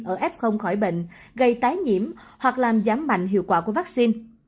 ở f khỏi bệnh gây tái nhiễm hoặc làm giảm mạnh hiệu quả của vaccine